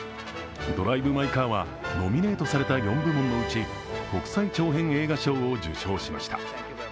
「ドライブ・マイ・カー」は、ノミネートされた４部門のうち、国際長編映画賞を受賞しました。